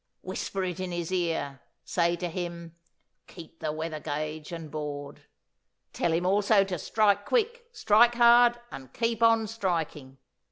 Whisper it in his ear. Say to him, 'Keep the weather gauge and board!' Tell him also to strike quick, strike hard, and keep on striking.